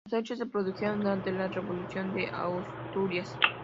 Los hechos se produjeron durante la Revolución de Asturias.